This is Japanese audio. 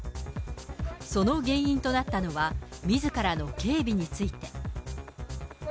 その原因となったのは、みずからの警備について。